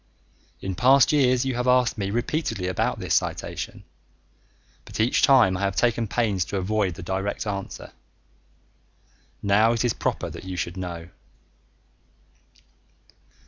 In past years you have asked me repeatedly about this citation, but each time I have taken pains to avoid a direct answer. Now it is proper that you should know.